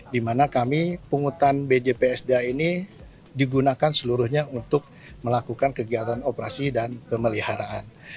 di mana kami pungutan bjpsda ini digunakan seluruhnya untuk melakukan kegiatan operasi dan pemeliharaan